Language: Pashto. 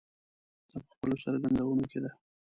دا په خپلو څرګندونو کې ده.